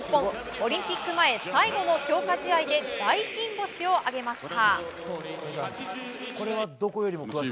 オリンピック前最後の強化試合で大金星を挙げました！